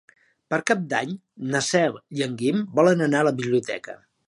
Per Cap d'Any na Cel i en Guim volen anar a la biblioteca.